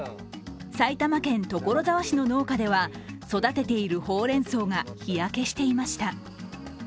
埼玉県所沢市の農家では育てているほうれん草が日焼けしていました。